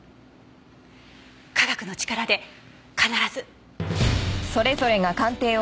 科学の力で必ず。